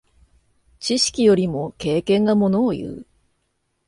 知識よりも経験がものをいう。